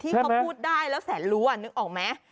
ที่เขาพูดได้แล้วแสนรู้นึกออกไหม